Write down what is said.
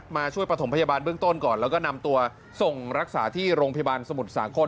ช่วยประถมพยาบาลเบื้องต้นก่อนแล้วก็นำตัวส่งรักษาที่โรงพยาบาลสมุทรสาคร